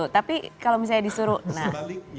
tapi kalau misalnya disuruh nah